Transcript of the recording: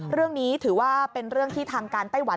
เรื่องนี้ถือว่าเป็นเรื่องที่ทางการไต้หวัน